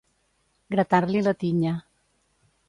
Gratar-li la tinya.